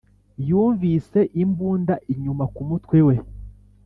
yumvise imbunda inyuma kumutwe we